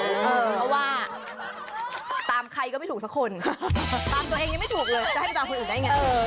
เพราะว่าตามใครก็ไม่ถูกสักคนตามตัวเองยังไม่ถูกเลยจะให้ไปตามคนอื่นได้ไง